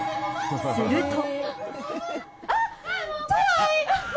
すると。